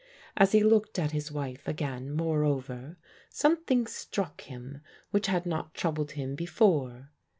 As he looked at his wife again, moreover, something struck him which had not troubled him before.